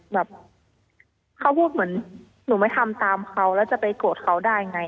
แบบเขาพูดเหมือนหนูไม่ทำตามเขาแล้วจะไปโกรธเขาได้ไง